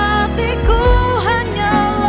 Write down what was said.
setiap hari ya